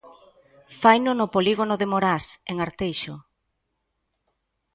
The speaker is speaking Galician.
Faino no polígono de Morás, en Arteixo.